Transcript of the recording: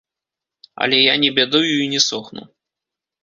Але я не бядую й не сохну.